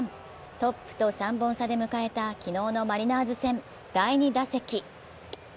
トップと３本差で迎えた昨日のマリナーズ戦第２打席。